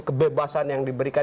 kebebasan yang diberikan